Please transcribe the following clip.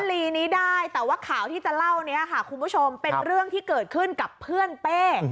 ลีนี้ได้แต่ว่าข่าวที่จะเล่านี้ค่ะคุณผู้ชมเป็นเรื่องที่เกิดขึ้นกับเพื่อนเป้